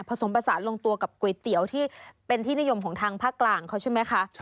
สมผสานลงตัวกับก๋วยเตี๋ยวที่เป็นที่นิยมของทางภาคกลางเขาใช่ไหมคะ